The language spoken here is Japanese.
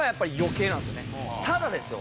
ただですよ